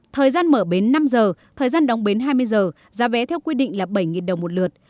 thời gian mở bến năm giờ thời gian đóng đến hai mươi giờ giá vé theo quy định là bảy đồng một lượt